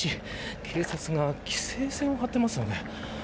警察が規制線を張っていますね。